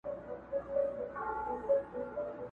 چي خپل مُلا چي خپل لښکر او پاچا ولټوو؛